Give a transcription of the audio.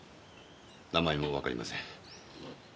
名前もわかりません。